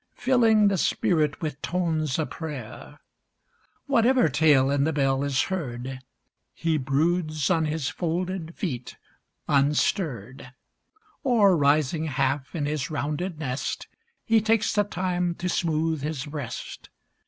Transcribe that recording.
Filling the spirit with tones of prayer Whatever tale in the bell is heard, lie broods on his folded feet unstirr'd, Oi, rising half in his rounded nest. He takes the time to smooth his breast.